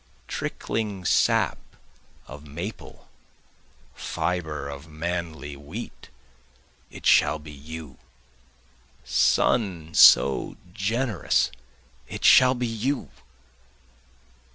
Trickling sap of maple, fibre of manly wheat, it shall be you! Sun so generous it shall be you!